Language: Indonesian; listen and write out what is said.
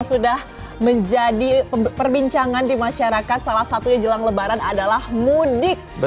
sudah menjadi perbincangan di masyarakat salah satunya jelang lebaran adalah mudik